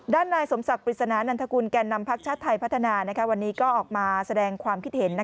ด้านนายสมศักดิ์ปริศนานันทกุลแก่นำพักชาติไทยพัฒนาวันนี้ก็ออกมาแสดงความคิดเห็น